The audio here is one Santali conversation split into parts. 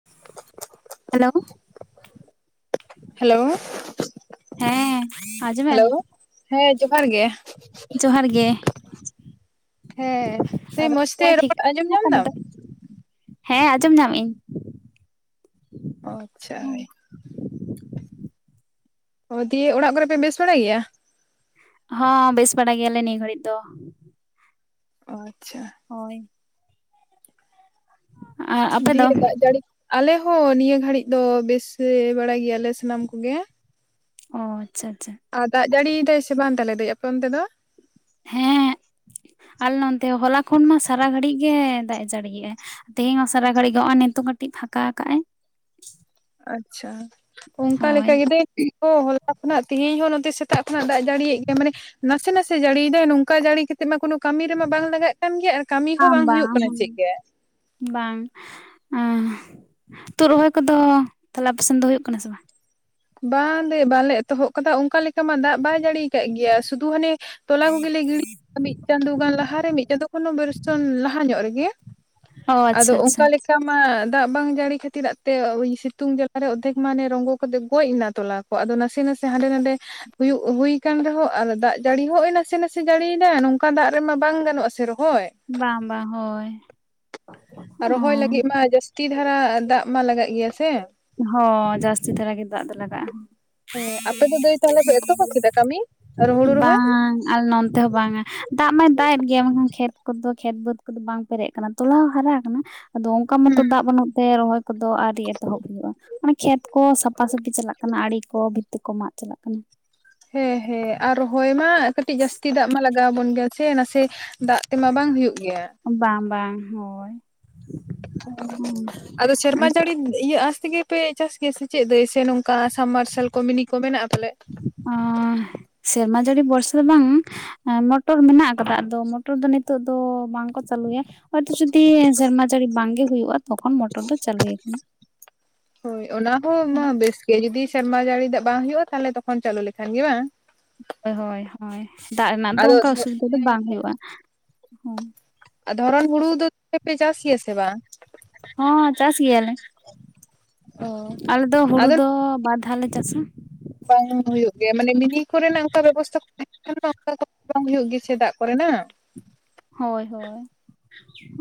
[unintelligible] [inaudible] ᱦᱮᱞᱳ᱾ ᱦᱮᱸ ᱟᱸᱡᱚᱢᱮᱜ ᱦᱮᱞᱳ ᱟᱢ? ᱦᱮᱸ ᱡᱚᱦᱟᱨ ᱜᱮ ᱡᱚᱦᱟᱨ ᱜᱮ᱾ ᱦᱮᱸ ᱫᱟᱹᱭ ᱢᱚᱸᱡᱽ ᱛᱮ ᱨᱚᱲ ᱟᱸᱡᱚᱢ ᱧᱟᱢ ᱫᱟᱢ [inaudible] ᱦᱮᱸ ᱟᱸᱡᱚᱢ ᱧᱟᱢ ᱤᱧ ᱚ ᱟᱪᱷᱟ ᱚ ᱫᱤᱭᱮ ᱚᱲᱟᱜ ᱠᱚᱨᱮ ᱯᱮ ᱵᱮᱥ ᱵᱟᱲᱟ ᱜᱮᱭᱟ ᱦᱚᱸ ᱵᱮᱥ ᱵᱟᱲᱟ ᱜᱮᱭᱟᱞᱮ ᱱᱤᱭᱟᱹ ᱜᱷᱚᱲᱤᱡ ᱫᱚ ᱚ ᱟᱪᱷᱟ ᱦᱳᱭ ᱟᱨ ᱟᱯᱮ ᱫᱚ ᱫᱤᱭᱮ ᱫᱟᱜ ᱡᱟᱹᱲᱤ ᱼᱼ ᱟᱞᱮ ᱦᱚᱸ ᱱᱤᱭᱟᱹ ᱜᱷᱟᱹᱲᱤᱡ ᱫᱚ ᱵᱮᱥ ᱵᱟᱲᱟ ᱜᱮᱭᱟᱞᱮ ᱥᱟᱱᱟᱢ ᱠᱚᱜᱮ ᱚ ᱟᱪᱷᱟ ᱟᱪᱷᱟ ᱟᱨ ᱫᱟᱜ ᱡᱟᱹᱲᱤᱭ ᱫᱟᱭ ᱥᱮ ᱵᱟᱝ ᱛᱟᱦᱞᱮ ᱫᱟᱹᱭ ᱟᱯᱮ ᱚᱱᱛᱮ ᱫᱚ ᱦᱮᱸ ᱟᱨᱞᱮ ᱱᱚᱱᱛᱮ ᱦᱚᱸ ᱦᱚᱞᱟ ᱠᱷᱚᱱ ᱢᱟ ᱥᱟᱨᱟ ᱜᱷᱟᱲᱤᱜ ᱜᱮ ᱫᱟᱜᱼᱮ ᱡᱟᱹᱲᱤᱭᱮᱜᱼᱟ ᱛᱮᱦᱮᱝ ᱦᱚᱸ ᱥᱟᱨᱟ ᱜᱷᱟᱲᱤᱜ ᱜᱤ ᱦᱚ ᱱᱤᱛᱚᱜ ᱠᱟᱹᱴᱤᱜ ᱯᱷᱟᱸᱠᱟ ᱠᱟᱜᱼᱟᱭ ᱟᱪᱷᱟ ᱚᱝᱠᱟ ᱦᱳᱭ ᱞᱮᱠᱟ ᱜᱮ ᱫᱟᱹᱭ ᱚ ᱦᱚᱞᱟ ᱠᱷᱚᱱᱟᱜ ᱛᱮᱦᱮᱧ ᱦᱚᱸ ᱱᱚᱛᱮ ᱥᱮᱛᱟᱜ ᱠᱷᱚᱱᱟᱜ ᱫᱟᱜ ᱡᱟᱹᱲᱤᱭᱮᱜ ᱜᱮᱭᱟ ᱢᱟᱱᱮ ᱱᱟᱥᱮ ᱱᱟᱥᱮ ᱡᱟᱹᱲᱤᱭ ᱫᱟᱭ ᱱᱚᱝᱠᱟ ᱡᱟᱹᱲᱤ ᱠᱟᱛᱮ ᱥᱮ ᱢᱟ ᱠᱳᱱᱳ ᱠᱟᱹᱢᱤ ᱨᱮᱢᱟ ᱵᱟᱝ ᱞᱟᱜᱟᱜ ᱠᱟᱱ ᱜᱮᱭᱟ ᱟᱨ ᱠᱟᱹᱢᱤ ᱦᱚᱸ ᱵᱟᱝ ᱦᱩᱭᱩᱜ ᱠᱟᱱᱟ ᱪᱮᱫ ᱜᱮ ᱵᱟᱝ ᱮ ᱛᱩᱫ ᱨᱚᱦᱚᱭ ᱠᱚᱫᱚ ᱛᱟᱦᱞᱮ ᱟᱯᱮᱥᱮᱱ ᱫᱚ ᱦᱩᱭᱩᱜ ᱠᱟᱱᱟ ᱥᱮ ᱵᱟᱝ ᱵᱟᱝ ᱫᱮ ᱵᱟᱞᱮ ᱮᱛᱚᱦᱚᱵ ᱠᱟᱫᱟ ᱚᱝᱠᱟ ᱞᱮᱠᱟ ᱢᱟ ᱫᱟᱜ ᱵᱟᱭ ᱡᱟᱹᱲᱤᱣ ᱠᱟᱜ ᱜᱮᱭᱟ ᱥᱩᱫᱷᱩ ᱦᱟᱱᱮ ᱛᱚᱞᱟ ᱠᱚᱜᱮᱞᱮ ᱜᱤᱲᱟ [inaudible] ᱢᱤᱫ ᱪᱟᱸᱫᱳ ᱜᱟᱱ ᱞᱟᱦᱟᱨᱮ ᱢᱤᱫ ᱪᱟᱸᱫᱳ ᱠᱷᱚᱱᱚ ᱵᱚᱨᱪᱚᱱ ᱞᱟᱦᱟ ᱧᱚᱜ ᱨᱮᱜᱮ ᱚ ᱟᱫᱚ ᱟᱪᱪᱷᱟ ᱟᱪᱪᱷᱟ ᱚᱝᱠᱟ ᱞᱮᱠᱟ ᱚᱝᱠᱟ ᱢᱟ ᱫᱟᱜ ᱵᱟᱝ ᱡᱟᱹᱲᱤ ᱠᱷᱟᱛᱤᱨᱟᱜᱛᱮ ᱩᱭ ᱥᱤᱛᱩᱝ ᱡᱟᱞᱟᱨᱮ ᱚᱫᱷᱮᱠ ᱢᱟᱱᱮ ᱨᱚᱸᱜᱚ ᱠᱟᱫ ᱜᱚᱡ ᱮᱱᱟ ᱛᱚᱞᱟ ᱠᱚ ᱟᱫᱚ ᱱᱟᱥᱮ ᱱᱟᱥᱮ ᱦᱟᱸᱰᱮ ᱱᱟᱰᱮ ᱦᱩᱭᱩᱜ ᱦᱩᱭ ᱟᱠᱟᱱ ᱨᱮᱦᱚᱸ ᱟᱨ ᱫᱟᱜ ᱡᱟᱲᱤ ᱦᱚᱸ ᱱᱟᱥᱮ ᱱᱟᱥᱮ ᱡᱟᱹᱲᱤᱭ ᱫᱟᱭ ᱱᱚᱝᱠᱟ ᱫᱟᱜ ᱨᱮᱢᱟ ᱵᱟᱝ ᱜᱟᱱᱚᱜ ᱟᱥᱮ ᱨᱚᱦᱚᱭ ᱵᱟᱝ ᱵᱟᱝ ᱦᱳᱭ ᱚ ᱛᱤ ᱫᱷᱟᱨᱟ ᱫᱟᱜ ᱢᱟ ᱞᱟᱜᱟᱜ ᱜᱮᱭᱟ ᱥᱮ ᱦᱚᱸ ᱡᱟᱹᱥᱛᱤ ᱫᱷᱟᱨᱟ ᱜᱮ ᱫᱟᱜ ᱫᱚ ᱞᱟᱜᱟᱜᱼᱟ ᱦᱮᱸ ᱟᱯᱮ ᱫᱚ ᱫᱟᱹᱭ ᱛᱟᱦᱚᱞᱮ ᱯᱮ ᱮᱛᱚᱦᱚᱵ ᱠᱮᱫᱟ ᱠᱟᱹᱢᱤ ᱟᱨ ᱦᱩᱲᱩ ᱨᱚᱦᱚᱭ ᱵᱟᱝ ᱟᱞ ᱱᱚᱱᱛᱮ ᱦᱚᱸ ᱵᱟᱝ ᱟ ᱫᱟᱜ ᱢᱟᱭ ᱫᱟᱜ ᱮᱫ ᱜᱮᱭᱟ ᱵᱟᱝᱠᱷᱟᱱ ᱠᱷᱮᱛ ᱠᱚᱫᱚ ᱠᱷᱮᱛ ᱵᱟᱹᱫᱽ ᱠᱚᱫᱚ ᱵᱟᱝ ᱯᱮᱨᱮᱡ ᱟᱠᱟᱱᱟ ᱛᱚᱞᱟ ᱦᱚᱸ ᱦᱟᱨᱟ ᱠᱟᱱᱟ ᱟᱫᱚ ᱚᱝᱠᱟ ᱢᱚᱛᱚ ᱫᱟᱜ ᱵᱟᱹᱱᱩᱜ ᱛᱮ ᱨᱚᱦᱚᱭ ᱠᱚᱫᱚ ᱟᱹᱨᱤᱭ ᱮᱛᱚᱦᱚᱵ ᱦᱩᱭᱩᱜᱼᱟ ᱢᱟᱱᱮ ᱠᱷᱮᱛ ᱠᱚ ᱥᱟᱯᱷᱟ ᱥᱟᱹᱯᱷᱤ ᱪᱟᱞᱟᱜ ᱠᱟᱱᱟ ᱟᱲᱮ ᱠᱚ ᱵᱷᱤᱛᱤ ᱠᱚ ᱢᱟᱜ ᱪᱟᱞᱟᱜ ᱠᱟᱱᱟ ᱦᱮᱸ ᱦᱮᱸ ᱟᱨ ᱨᱚᱦᱚᱭ ᱢᱟ ᱠᱟᱹᱴᱤᱡ ᱡᱟᱹᱥᱛᱤ ᱫᱟᱜ ᱢᱟ ᱞᱟᱜᱟᱣ ᱟᱵᱚᱱ ᱜᱮᱭᱟ ᱥᱮ ᱱᱟᱥᱮ ᱫᱟᱜ ᱛᱮᱢᱟ ᱵᱟᱝ ᱦᱩᱭᱩᱜ ᱜᱮᱭᱟ ᱵᱟᱝ ᱵᱟᱝ ᱦᱳᱭ ᱦᱩᱸ [inaudible] ᱟᱫᱚ ᱥᱮᱨᱢᱟ ᱡᱟᱹᱲᱤ ᱤᱭᱟᱹ ᱟᱥᱛᱮᱜᱮᱯᱮ ᱪᱟᱥ ᱜᱮᱭᱟ ᱥᱮ ᱪᱮᱫ ᱫᱟᱹᱭ ᱥᱮ ᱱᱚᱝᱠᱟ ᱥᱟᱵᱢᱟᱨᱥᱟᱞ ᱠᱚ ᱢᱤᱱᱤ ᱠᱚ ᱢᱮᱱᱟᱜ-ᱟ ᱯᱟᱞᱮ ᱚᱻ ᱥᱮᱨᱢᱟ ᱡᱟᱹᱲᱤ ᱵᱚᱨᱥᱟ ᱵᱟᱝ ᱢᱚᱴᱚᱨ ᱢᱮᱱᱟᱜ ᱟᱠᱟᱫᱟ ᱟᱫᱚ ᱢᱚᱴᱚᱨ ᱫᱚ ᱱᱤᱛᱚᱜ ᱫᱚ ᱵᱟᱝᱠᱚ ᱪᱟᱞᱩᱭᱟ ᱦᱚᱭᱛᱚ ᱡᱩᱫᱤ ᱥᱮᱨᱢᱟ ᱡᱟᱹᱲᱤ ᱵᱟᱝᱜᱮ ᱦᱩᱭᱩᱜ-ᱟ ᱛᱚᱠᱷᱚᱱ ᱢᱚᱴᱚᱨ ᱫᱚ ᱪᱟᱹᱞᱩᱭᱟᱠᱚ ᱦᱳᱭ ᱚᱱᱟ ᱦᱚᱸ ᱢᱟ ᱦᱳᱭ ᱵᱮᱥ ᱜᱮ ᱡᱩᱫᱤ ᱥᱮᱨᱢᱟ ᱡᱟᱹᱲᱤ ᱫᱟᱜ ᱵᱟᱝ ᱦᱩᱭᱩᱜ-ᱟ ᱛᱟᱦᱚᱞᱮ ᱛᱚᱠᱷᱚᱱ ᱪᱟᱹᱞᱩ ᱞᱮᱠᱷᱟᱱ ᱜᱮ ᱵᱟᱝ ᱦᱳᱭ ᱦᱳᱭ ᱦᱳᱭ ᱫᱟᱜ ᱨᱮᱱᱟᱜ ᱫᱚ ᱟᱫᱚ ᱚᱱᱠᱟ ᱚᱥᱩᱵᱤᱫᱟ ᱫᱚ ᱦᱮᱸ ᱵᱟᱝ ᱦᱩᱭᱩᱜ-ᱟ᱾ ᱫᱷᱚᱨᱚᱱ ᱦᱩᱲᱩ ᱫᱚ [inaudible] ᱪᱟᱥ ᱜᱮᱭᱟ ᱥᱮ ᱵᱟᱝ ᱦᱚᱸ ᱪᱟᱥ ᱜᱮᱭᱟᱞᱮ ᱚ ᱟᱞᱮ ᱫᱚ ᱦᱩᱲᱩ ᱟᱫᱚ ᱫᱚ ᱵᱟᱨ ᱫᱷᱟᱣ ᱞᱮ ᱪᱟᱥᱟ ᱵᱟᱝ ᱦᱩᱭᱩᱜ ᱜᱮᱭᱟ ᱢᱟᱱᱮ ᱢᱤᱱᱤ ᱠᱚᱨᱮᱱᱟᱜ ᱚᱱᱠᱟ ᱵᱮᱵᱚᱥᱛᱟ [inaudible] [inaudible] [inaudible] ᱵᱟᱝ ᱦᱩᱭᱩᱜ ᱜᱮᱭᱟ ᱫᱟᱜ ᱠᱚᱨᱮᱱᱟᱜ ᱦᱳᱭ ᱦᱳᱭ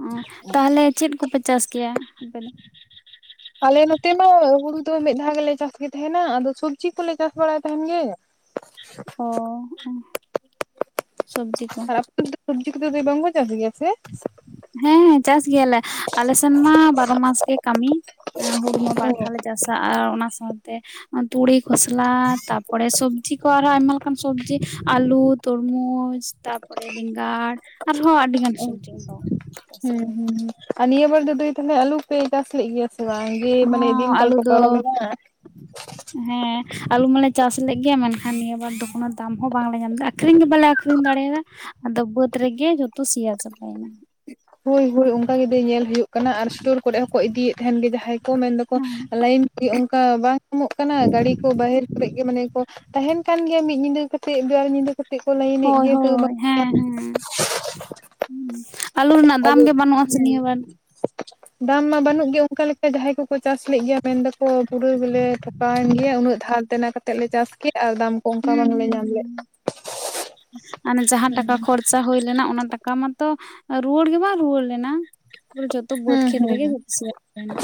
ᱚ ᱛᱟᱦᱚᱞᱮ ᱪᱮᱫ ᱠᱚᱯᱮ ᱪᱟᱥ ᱠᱮᱭᱟ ᱟᱯᱮ ᱫᱚ ᱟᱞᱮ ᱱᱚᱛᱮ ᱢᱟ ᱦᱩᱲᱩ ᱫᱚ ᱢᱤᱫ ᱫᱷᱟᱣ ᱜᱮᱞᱮ ᱪᱟᱥ ᱜᱮ ᱛᱟᱦᱮᱱᱟ ᱟᱫᱚ ᱥᱚᱵᱽᱡᱤ ᱠᱚᱞᱮ ᱪᱟᱥ ᱵᱟᱲᱟᱭ ᱛᱟᱦᱮᱱ ᱜᱮ [unintelligible] ᱚ ᱥᱚᱵᱽᱡᱤ ᱠᱚ ᱟᱨ ᱥᱚᱵᱽᱡᱤ ᱠᱚ ᱫᱚ ᱵᱟᱝᱠᱚ ᱪᱟᱥ ᱜᱮᱭᱟ ᱥᱮ ᱦᱮᱸ ᱪᱟᱥ ᱜᱮᱭᱟᱞᱮ ᱟᱞᱮ ᱥᱮᱱ ᱢᱟ ᱵᱟᱨᱚ ᱢᱟᱥ ᱜᱮ ᱠᱟᱹᱢᱤ ᱦᱩᱲᱩᱢᱟ ᱵᱟᱨ ᱦᱩᱸ ᱫᱷᱟᱣ ᱞᱮ ᱪᱟᱥᱟ ᱟᱨ ᱚᱱᱟ ᱥᱟᱶ ᱛᱮ ᱛᱩᱲᱤ ᱠᱷᱚᱥᱞᱟ ᱛᱟᱯᱚᱨᱮ ᱥᱚᱵᱽᱡᱤ ᱠᱚ ᱟᱨᱦᱚᱸ ᱟᱭᱢᱟ ᱞᱮᱠᱟᱱ ᱥᱚᱵᱽᱡᱤ ᱟᱞᱩ ᱛᱚᱨᱢᱩᱡᱽ ᱛᱟᱯᱚᱨᱮ ᱵᱮᱸᱜᱟᱲ ᱟᱨᱦᱚᱸ ᱟᱹᱰᱤ ᱜᱟᱱ ᱥᱚᱵᱽᱡᱤ [inaudible] ᱦᱩᱸ ᱦᱩᱸᱸ ᱟᱨ ᱱᱤᱭᱟᱹ ᱵᱟᱨ ᱫᱚ ᱫᱟᱹᱭ ᱛᱟᱦᱚᱞᱮ ᱟᱞᱩ ᱯᱮ ᱪᱟᱥ ᱞᱮᱫ ᱜᱮᱭᱟ [inaudible] ᱢᱟᱱᱮ ᱦᱚᱸ ᱫᱤᱱ ᱠᱟᱞ ᱟᱹᱞᱩ ᱠᱚ ᱫᱚ ᱯᱟᱨᱚᱢ ᱮᱱᱟ ᱦᱮᱸ ᱟᱞᱩ ᱢᱟᱞᱮ ᱪᱟᱥ ᱞᱮᱫ ᱜᱮᱭᱟ ᱢᱮᱱᱠᱷᱟᱱ ᱱᱤᱭᱟᱹ ᱵᱟᱨ ᱫᱚ ᱠᱳᱱᱳ ᱫᱟᱢ ᱦᱚᱸ ᱵᱟᱝᱞᱮ ᱧᱟᱢ ᱮᱫᱟ ᱟᱠᱷᱨᱤᱧ ᱜᱮ ᱵᱟᱞᱮ ᱟᱹᱠᱷᱨᱤᱧ ᱫᱟᱲᱮᱭᱟᱫᱟ ᱟᱫᱚ ᱵᱟᱹᱫᱽ ᱨᱮᱜᱮ ᱡᱚᱛᱚ ᱥᱮᱭᱟ ᱪᱟᱵᱟᱭᱮᱱᱟ᱾ ᱦᱳᱭ ᱦᱳᱭ ᱚᱱᱠᱟ ᱜᱮ ᱫᱟᱹᱭ ᱧᱮᱞ ᱦᱩᱭᱩᱜ ᱠᱟᱱᱟ ᱟᱨ ᱥᱴᱳᱨ ᱠᱚᱨᱮ ᱦᱚᱸᱠᱚ ᱤᱫᱤᱭᱮᱫ ᱛᱟᱦᱮᱱ ᱜᱮ ᱡᱟᱦᱟᱸᱭ ᱢᱮᱱᱫᱟᱠᱚ ᱦᱮᱸ ᱞᱟᱭᱤᱱ ᱠᱚ ᱚᱱᱠᱟ ᱵᱟᱝ ᱧᱟᱢᱚᱜ ᱠᱟᱱᱟ ᱜᱟᱹᱰᱤ ᱠᱚ ᱵᱟᱦᱮᱨ ᱠᱚᱨᱮ ᱜᱮ ᱢᱟᱱᱮ ᱠᱚ ᱛᱟᱦᱮᱱ ᱠᱟᱱ ᱜᱮᱭᱟ ᱢᱤᱫ ᱧᱤᱫᱟᱹ ᱠᱟᱛᱮᱫ ᱵᱟᱨ ᱧᱤᱫᱟᱹ ᱠᱟᱛᱮᱫ ᱠᱚ ᱞᱟᱭᱤᱱᱮᱜ ᱜᱮᱭᱟ [inaudible] ᱟᱞᱩ ᱨᱮᱱᱟᱜ ᱫᱟᱢ ᱟᱫᱚ ᱜᱮ ᱵᱟᱹᱱᱩᱜ ᱟᱥᱮ ᱦᱮᱸ ᱱᱤᱭᱟᱹ ᱵᱟᱨ ᱫᱟᱢ ᱢᱟ ᱵᱟᱹᱱᱩᱜ ᱜᱮᱭᱟ ᱚᱱᱠᱟ ᱞᱮᱠᱟ ᱡᱟᱦᱟᱸᱭ ᱠᱚᱠᱚ ᱪᱟᱥ ᱞᱮᱜ ᱜᱮᱭᱟ ᱢᱮᱱᱫᱟᱠᱚ ᱯᱩᱨᱟᱹ ᱜᱮᱞᱮ ᱴᱷᱚᱠᱟᱣᱮᱱ ᱜᱮᱭᱟ ᱩᱱᱟᱹᱜ ᱫᱷᱟᱨ ᱫᱮᱱᱟ ᱠᱟᱛᱮᱫ ᱞᱮ ᱪᱟᱥ ᱟᱨ ᱫᱟᱢ ᱠᱚ ᱚᱱᱠᱟ ᱵᱟᱝᱞᱮ ᱧᱟᱢ ᱞᱮᱫ᱾ [unintelligible] ᱢᱟᱱᱮ ᱡᱟᱦᱟᱸ ᱴᱟᱠᱟ ᱠᱷᱚᱨᱪᱟ ᱟᱥᱟ ᱦᱩᱭ ᱞᱮᱱᱟ ᱚᱱᱟ ᱴᱟᱠᱟ ᱢᱟᱛᱚ ᱨᱩᱣᱟᱹᱲ ᱜᱮ ᱵᱟᱝ ᱨᱩᱣᱟᱹᱲ ᱞᱮᱱᱟ ᱵᱟᱹᱫᱽ ᱦᱮᱸ ᱠᱷᱮᱛ ᱦᱮᱸ ᱨᱮᱜᱮ ᱡᱚᱛᱚ ᱥᱮᱭᱟ ᱪᱟᱵᱟᱭᱮᱱᱟ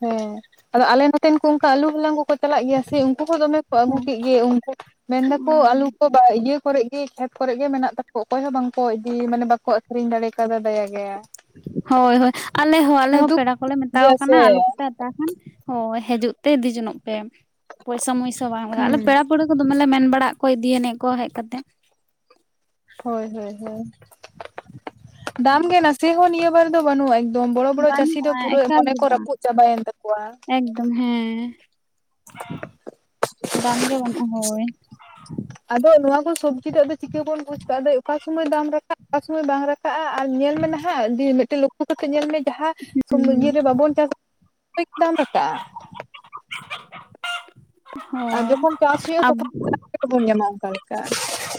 ᱦᱮᱸ ᱟᱫᱚ ᱟᱞᱮ ᱱᱚᱛᱮᱱ ᱠᱚ ᱚᱱᱠᱟ ᱟᱞᱩ ᱦᱟᱞᱟᱝ ᱠᱚ ᱠᱚ ᱪᱟᱞᱟᱜ ᱜᱮᱭᱟ ᱥᱮ ᱩᱱᱠᱩ ᱦᱚᱸ ᱫᱚᱢᱮ ᱠᱚ ᱟᱹᱜᱩ ᱠᱮᱫ ᱜᱮ ᱩᱱᱠᱩ ᱢᱮᱱ ᱫᱟᱠᱚ ᱟᱞᱩ ᱠᱚ ᱵᱟ ᱤᱭᱟᱹ ᱠᱚᱨᱮ ᱜᱮ ᱠᱷᱮᱛ ᱠᱚᱨᱮᱜᱮ ᱢᱮᱱᱟᱜ ᱛᱟᱠᱚ ᱚᱠᱚᱭ ᱦᱚᱸ ᱵᱟᱝᱠᱚ ᱤᱫᱤ ᱢᱟᱱᱮ ᱵᱟᱠᱚ ᱟᱠᱷᱨᱤᱧ ᱫᱟᱲᱮ ᱠᱟᱣᱫᱟ ᱫᱟᱭᱟ ᱜᱮ᱾ ᱦᱳᱭ ᱦᱳᱭ ᱟᱞᱮ ᱦᱚᱸ ᱟᱞᱮ ᱢᱟᱱᱮ ᱦᱚᱸ ᱫᱩᱠ ᱯᱮᱲᱟ ᱠᱚᱞᱮ ᱢᱮᱛᱟᱣ ᱜᱮᱭᱟ ᱥᱮ ᱠᱟᱱᱟ ᱟᱞᱩ ᱛᱟ ᱠᱷᱟᱱ ᱦᱳᱭ ᱦᱤᱡᱩᱜ ᱛᱮ ᱤᱫᱤ ᱡᱚᱱᱚᱜ ᱯᱮ ᱯᱚᱭᱥᱟ ᱢᱚᱭᱥᱟ ᱵᱟᱝ ᱞᱟᱜᱟᱜ-ᱟ ᱦᱩᱸ ᱟᱞᱮ ᱯᱮᱲᱟ ᱯᱟᱹᱲᱦᱟᱹ ᱫᱚᱢᱮ ᱞᱮ ᱢᱮᱱ ᱵᱟᱲᱟᱜ ᱠᱚᱣᱟ ᱤᱫᱤᱭᱟᱱᱤᱡ ᱠᱚ ᱦᱮᱡ ᱠᱟᱛᱮ ᱦᱳᱭ ᱦᱳᱭ ᱦᱳᱭ ᱫᱟᱢ ᱜᱮ ᱱᱟᱥᱮ ᱦᱚᱸ ᱱᱤᱭᱟᱹ ᱵᱟᱨ ᱫᱚ ᱵᱟᱹᱱᱩᱜ-ᱟ᱾ ᱵᱚᱲᱚ ᱵᱚᱲᱚ ᱪᱟᱥᱤ ᱫᱚ ᱵᱟᱹᱱᱩᱜᱼᱟ ᱯᱩᱨᱟᱹ ᱮᱠᱟᱞ ᱢᱚᱱᱮ ᱜᱮ ᱠᱚ ᱵᱟᱝ ᱨᱟᱹᱯᱩᱫ ᱪᱟᱵᱟᱭᱮᱱ ᱛᱟᱠᱚᱣᱟ ᱮᱠᱫᱚᱢ ᱦᱮᱸ ᱫᱟᱢ ᱜᱮ ᱵᱟᱹᱱᱩᱜ-ᱟ ᱦᱳᱭ᱾ ᱟᱫᱚ ᱱᱚᱣᱟ ᱠᱚ ᱥᱚᱵᱽᱡᱤ ᱨᱮ ᱫᱚ ᱪᱤᱠᱟ ᱵᱚᱱ ᱵᱩᱡ ᱠᱟᱜ-ᱟ ᱚᱠᱟ ᱥᱚᱢᱚᱭ ᱫᱟᱢ ᱨᱟᱠᱟᱵ ᱚᱠᱟ ᱥᱚᱢᱚᱭ ᱵᱟᱝ ᱨᱟᱠᱟᱵ ᱟᱜ ᱟᱨ ᱧᱮᱞ ᱢᱮ ᱱᱟᱦᱟᱜ ᱫᱮ ᱢᱤᱫᱴᱮᱱ ᱞᱚᱠᱠᱷᱩ ᱠᱟ ᱠᱟᱛᱮ ᱧᱮᱞ ᱢᱮ ᱡᱟᱦᱟᱸ ᱥᱚᱢᱤᱭᱟᱹ ᱨᱮ ᱵᱟᱵᱚᱱ ᱪᱟᱥᱟ ᱫᱟᱢ ᱨᱟᱠᱟᱵ-ᱟ ᱟᱨ ᱦᱳᱭ ᱡᱚᱠᱷᱚᱱ ᱪᱟᱥ ᱦᱩᱭᱩᱜ-ᱟ ᱟᱵ ᱛᱚᱠᱷᱚᱱ ᱫᱟᱢ ᱜᱮ ᱵᱟᱵᱚᱱ ᱧᱟᱢᱟ ᱚᱱᱠᱟ ᱞᱮᱠᱟ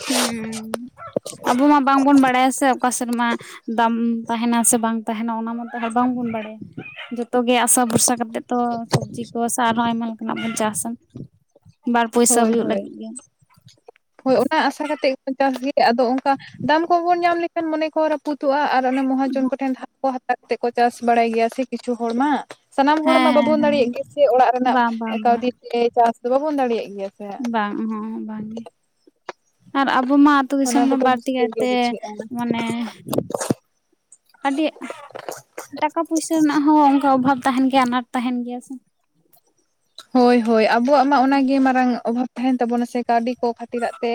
ᱦᱮᱸ ᱟᱵᱚ ᱢᱟ ᱵᱟᱝᱵᱚᱱ ᱵᱟᱲᱟᱭᱟ ᱥᱮ ᱚᱠᱟ ᱥᱮᱨᱢᱟ ᱫᱟᱢ ᱛᱟᱦᱮᱱᱟ ᱥᱮ ᱵᱟᱝ ᱛᱟᱦᱮᱱᱟ ᱚᱱᱟ ᱢᱟᱛᱮ ᱵᱟᱝᱵᱚᱱ ᱵᱟᱲᱟᱭᱟ ᱡᱚᱛᱚᱜ ᱜᱮ ᱟᱥᱟ ᱵᱷᱚᱨᱥᱟ ᱠᱟᱛᱮᱫ ᱛᱚ ᱥᱚᱵᱽᱡᱤ ᱠᱚ ᱥᱮ ᱟᱨᱦᱚᱸ ᱟᱭᱢᱟ ᱞᱮᱠᱟᱱᱟᱜ ᱵᱚᱱ ᱪᱟᱥᱟ᱾ ᱵᱟᱨ ᱯᱚᱭᱥᱟ ᱦᱳᱭ ᱦᱩᱭᱩᱜ ᱦᱳᱭ ᱞᱟᱹᱜᱤᱫ ᱜᱮ ᱦᱳᱭ ᱚᱱᱟ ᱟᱥᱟ ᱠᱟᱛᱮᱫ ᱜᱮ ᱵᱚᱱ ᱪᱟᱥ ᱜᱮ ᱟᱫᱚ ᱚᱝᱠᱟ ᱫᱟᱢ ᱠᱚᱵᱚᱱ ᱧᱟᱢ ᱞᱮᱠᱷᱟᱱ ᱢᱚᱱᱮ ᱠᱚᱦᱚ ᱨᱟᱹᱯᱩᱫᱚᱜᱼᱟ ᱟᱨ ᱚᱱᱮ ᱢᱚᱦᱟᱡᱚᱱ ᱠᱚᱴᱷᱮᱱ ᱫ ᱦᱟᱛᱟᱣ ᱠᱟᱛᱮ ᱠᱚ ᱪᱟᱥ ᱵᱟᱲᱟᱭ ᱜᱮᱭᱟ ᱥᱮ ᱠᱤᱪᱷᱩ ᱦᱚᱲ ᱢᱟ ᱥᱟᱱᱟᱢ ᱦᱚᱲ ᱦᱮᱸ ᱢᱟ ᱦᱮᱸ ᱵᱟᱵᱚᱱ ᱦᱮᱸ ᱫᱟᱲᱮᱭᱟᱜ ᱜᱮᱭᱟ ᱥᱮ ᱚᱲᱟᱜ ᱨᱮᱱᱟᱜ ᱵᱟᱝ ᱵᱟᱝ ᱵᱟᱝ ᱠᱟᱹᱣᱰᱤ ᱛᱮ ᱪᱟᱥ ᱫᱚ ᱵᱟᱵᱚᱱ ᱫᱟᱲᱮᱭᱟᱜ ᱜᱮᱭᱟ ᱥᱮ ᱵᱟᱝ ᱩᱦᱩ ᱩᱦᱩ ᱵᱟᱝ ᱜᱮ ᱟᱨ ᱟᱵᱚ ᱢᱟ ᱟᱹᱛᱩ ᱫᱤᱥᱚᱢ ᱚᱱᱟ ᱨᱮ ᱠᱚᱫᱚ ᱵᱟᱹᱲᱛᱤ ᱢᱩᱥᱠᱤᱞ ᱜᱮ ᱠᱟᱭᱛᱮ ᱵᱩᱡᱷᱟᱹᱜᱼᱟ ᱢᱟᱱᱮ ᱟᱹᱰᱤ ᱴᱟᱠᱟ ᱯᱩᱭᱥᱟᱹ ᱨᱮᱱᱟᱜ ᱦᱚᱸ ᱚᱱᱠᱟ ᱚᱵᱷᱟᱵ ᱛᱟᱦᱮᱱ ᱜᱮᱭᱟ ᱟᱱᱟᱴ ᱛᱟᱦᱮᱱ ᱜᱮᱭᱟ ᱥᱮ ᱦᱳᱭ ᱦᱳᱭ ᱟᱵᱚᱣᱟᱜ ᱢᱟ ᱚᱱᱟᱜᱮ ᱢᱟᱨᱟᱝ ᱚᱵᱷᱟᱵ ᱛᱟᱦᱮᱱ ᱛᱟᱵᱚᱱᱟ ᱥᱮ ᱠᱟᱹᱣᱰᱤ ᱠᱷᱟᱹᱛᱤᱨᱟᱜ ᱛᱮ